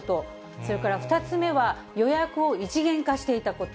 それから２つ目は、予約を一元化していたこと。